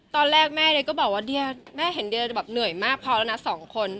ตอนแรกแม่ก็บอกว่าเฮนเดียเหนื่อยมากพอแล้วสองคน